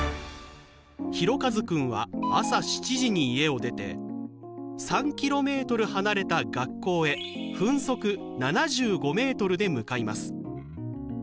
ひろかずくんは朝７時に家を出て３ｋｍ離れた学校へ分速７５ｍで向かいます。